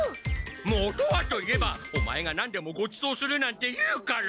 元はと言えばオマエが何でもごちそうするなんて言うから！